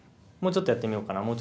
もうちょっとやってみようかな